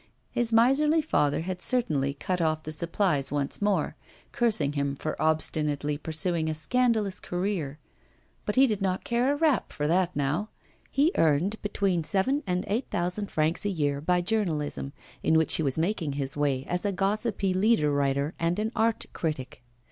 His miserly father had certainly cut off the supplies once more, cursing him for obstinately pursuing a scandalous career, but he did not care a rap for that now; he earned between seven and eight thousand francs a year by journalism, in which he was making his way as a gossipy leader writer and art critic.